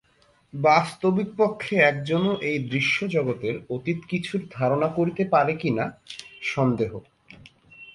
বাস্তবিক পক্ষে একজনও এই দৃশ্যজগতের অতীত কিছুর ধারণা করিতে পারে কিনা, সন্দেহ।